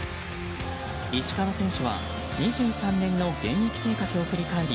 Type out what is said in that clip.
石川選手は２３年の現役生活を振り返り